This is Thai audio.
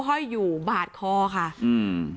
ห้อยอยู่บาดคอค่ะอืม